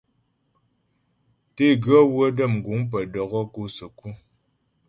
Teguə wə́ dəm guŋ pə́ dɔkɔ́ kɔ səku.